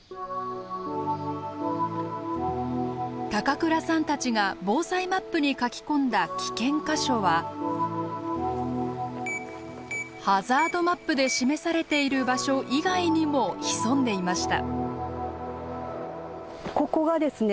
倉さんたちが防災マップに書き込んだ危険箇所はハザードマップで示されている場所以外にも潜んでいました。